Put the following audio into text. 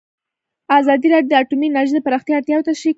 ازادي راډیو د اټومي انرژي د پراختیا اړتیاوې تشریح کړي.